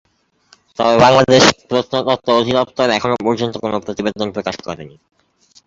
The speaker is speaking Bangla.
তবে বাংলাদেশ প্রত্নতত্ত্ব অধিদপ্তর এখনও পর্যন্ত কোনো প্রতিবেদন প্রকাশ করেনি।